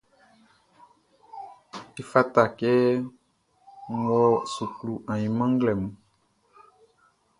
Efata kɛ n wɔ suklu ainman nglɛmun.